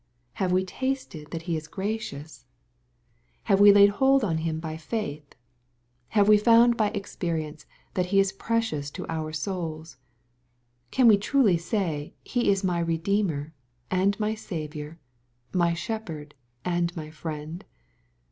Have we tasted that He is gracious ? Have 296 EXPOSITORY THOUGHTS. we laid hold od Him by fitith ? Have we found by ex perience that He is precious to our souls ? Can we truly say He is my Redeemer, and my Saviour, m) Shepherd, and my Friend